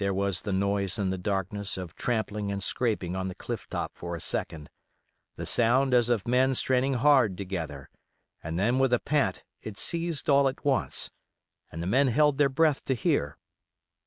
There was the noise in the darkness of trampling and scraping on the cliff top for a second; the sound as of men straining hard together, and then with a pant it ceased all at once, and the men held their breath to hear.